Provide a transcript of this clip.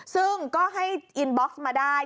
ซึ่งก็ให้อินบ็อกซ์มาได้